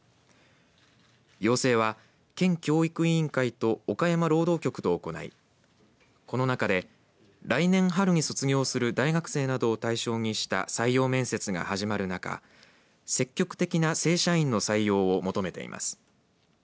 要請は県教育委員会と岡山労働局と行いこの中で来年春に卒業する大学生などを対象にした採用面接が始まる中積極的な正社員の採用を求めています。